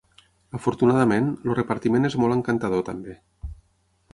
Afortunadament, el repartiment és molt encantador també.